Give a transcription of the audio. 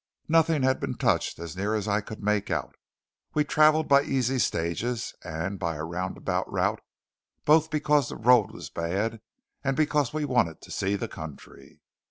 _" Nothing had been touched, as near as I could make out. We travelled by easy stages, and by a roundabout route, both because the road was bad, and because we wanted to see the country.